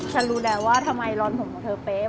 ฉันรู้แล้วว่าทำไมร้อนผมของเธอเป๊ะ